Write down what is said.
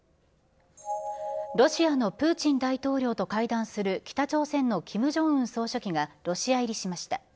ロシアのプーチン大統領と会談する北朝鮮のキム・ジョンウン総書記がロシア入りしました。